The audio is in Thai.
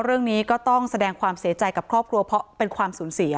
เรื่องนี้ก็ต้องแสดงความเสียใจกับครอบครัวเพราะเป็นความสูญเสีย